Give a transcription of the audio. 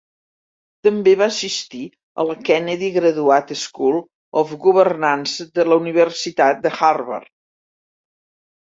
També va assistir a la Kennedy Graduate School of Governance de la Universitat de Harvard.